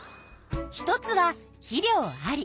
一つは「肥料あり」